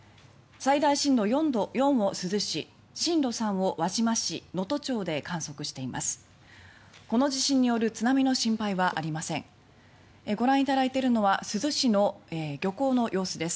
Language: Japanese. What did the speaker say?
最大震度４を珠洲市震度３を輪島市、能登町で観測しています。